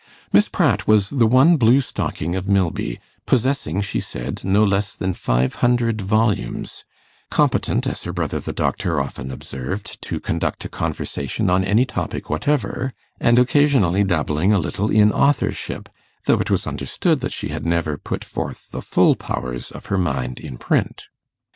Miss Pratt was the one blue stocking of Milby, possessing, she said, no less than five hundred volumes, competent, as her brother the doctor often observed, to conduct a conversation on any topic whatever, and occasionally dabbling a little in authorship, though it was understood that she had never put forth the full powers of her mind in print.